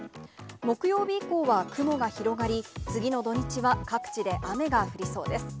木曜日以降は雲が広がり、次の土日は各地で雨が降りそうです。